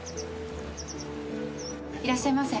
いらっしゃいませ。